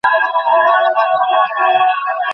তিনি প্রকাশ পাইতেছেন বলিয়াই সব কিছু প্রকাশ পাইতেছে।